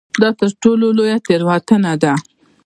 دا تر ټولو لویه تېروتنه ده.